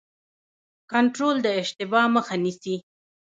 کنټرول د اشتباه مخه نیسي